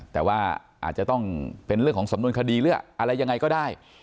แต่ว่าอาจจะต้องเป็นเรื่องของสำนวนคดีหรืออะไรยังไงก็ได้